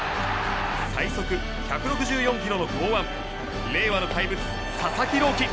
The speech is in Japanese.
最速１６４キロの豪腕令和の怪物佐々木朗希。